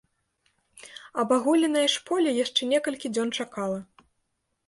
Абагуленае ж поле яшчэ некалькі дзён чакала.